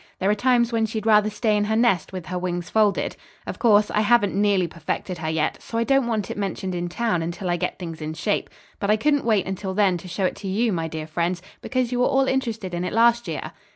There are times when she'd rather stay in her nest with her wings folded. Of course, I haven't nearly perfected her yet, so I don't want it mentioned in town until I get things in shape. But I couldn't wait until then to show it to you, my dear friends, because you were all interested in it last year."